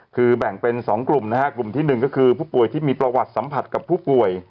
คือแบ่งเป็น๒กลุ่มนะฮะกลุ่มที่๑ก็คือผู้ป่วยที่มีประวัติสัมผัสกับผู้ป่วย